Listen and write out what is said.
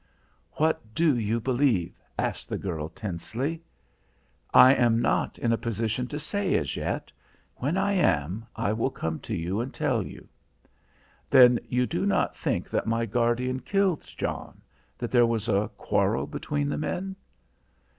"What do you believe?" asked the girl tensely. "I am not in a position to say as yet. When I am, I will come to you and tell you." "Then you do not think that my guardian killed John that there was a quarrel between the men?"